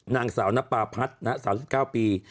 นางสาวนปราพัฒน์อายุ๓๙ปี